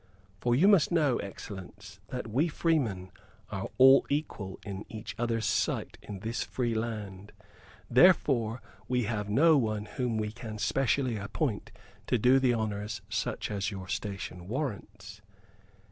"For you must know, excellence, that we freemen are all equal in each other's sight in this free land. Therefore we have no one whom we can specially appoint to do the honors such as your station warrants.